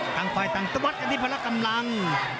กังไฟต่างตะวัดอธิพรกำลัง